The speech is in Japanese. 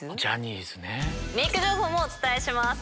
メイク情報もお伝えします。